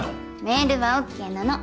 メールはＯＫなの。